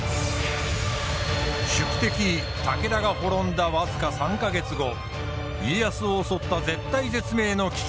宿敵武田が滅んだ僅か３か月後家康を襲った絶体絶命の危機。